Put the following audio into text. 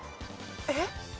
えっ？